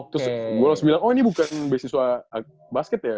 terus gue harus bilang oh ini bukan beasiswa basket ya